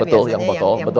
betul yang botol